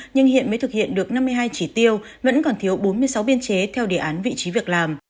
nhưng hiện mới thực hiện được năm mươi hai chỉ tiêu vẫn còn thiếu bốn mươi sáu biên chế theo đề án vị trí việc làm